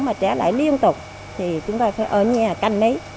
mà trẻ lại liên tục thì chúng ta phải ở nhà canh mấy